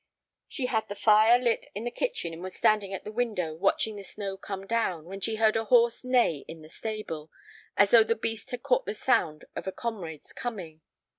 She had lit the fire in the kitchen and was standing at the window watching the snow come down when she heard a horse neigh in the stable, as though the beast had caught the sound of a comrade's coming.